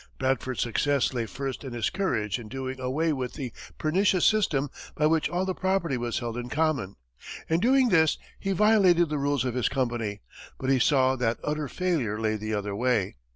Bradford's success lay first in his courage in doing away with the pernicious system by which all the property was held in common. In doing this, he violated the rules of his company, but he saw that utter failure lay the other way.